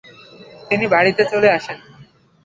তিনি বাড়িতে চলে আসেন।